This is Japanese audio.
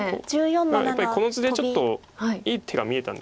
やっぱりこの図でちょっといい手が見えたんですかね。